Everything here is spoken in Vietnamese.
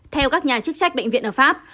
theo các nhà chức trách bệnh viện ở pháp